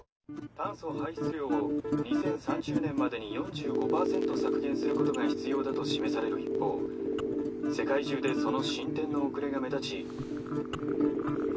「炭素排出量を２０３０年までに４５％削減することが必要だと示される一方世界中でその進展の遅れが目立ち」。